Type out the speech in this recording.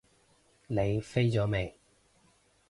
你飛咗未？